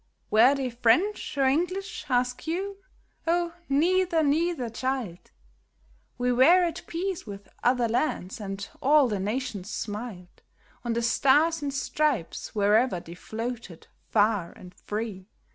Were they French or English, ask you ? Oh, neither, neither, child ! We were at peace with other la.nds, and all the nations smiled On the stars and stripes, wherever they floated far and free.